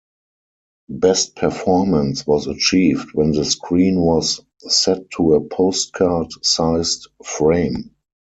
Best performance was achieved when the screen was set to a postcard-sized frame.